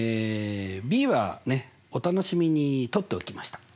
ｂはねお楽しみに取っておきました。